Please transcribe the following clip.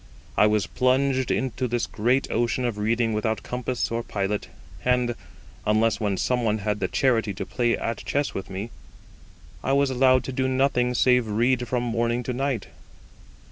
I was plunged into this great ocean of reading without compass or pilot; and, unless when some one had the charity to play at chess with me, I was allowed to do nothing save read from morning to night.